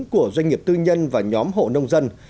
của doanh nghiệp tư nhân và nhóm hộ nông dân